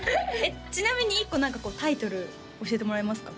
ちなみに１個何かタイトル教えてもらえますか？